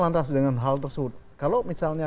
lantas dengan hal tersebut kalau misalnya